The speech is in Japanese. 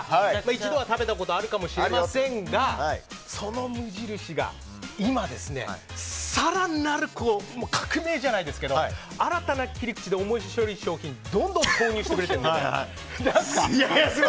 一度は食べたことがあるかもしれませんがその無印が今、更なる革命じゃないですけど新たな切り口で面白い商品をどんどん投入してくれて。